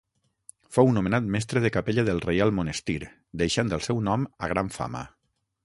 Fou nomenat mestre de capella del Reial Monestir, deixant el seu nom a gran fama.